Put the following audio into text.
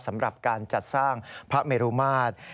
สำหรับการจัดสร้างพระเมรุมาตร